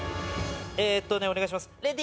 えーっとねお願いします。